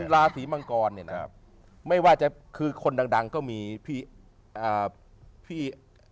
ราศีมังกรเนี่ยนะไม่ว่าจะคือคนดังก็มีพี่อ่าพี่